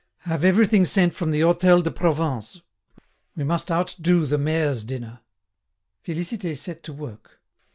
Have everything sent from the Hôtel de Provence. We must outdo the mayor's dinner." Félicité set to work.